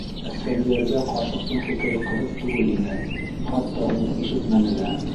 Әсфәндиәргә ҡарсыҡтың фекере ҡыҙыҡ түгел ине, хатта уны ишетмәне лә.